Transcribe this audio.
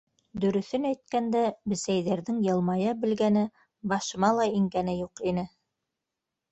Дөрөҫөн әйткәндә, бесәйҙәрҙең йылмая белгәне башыма ла ингәне юҡ ине.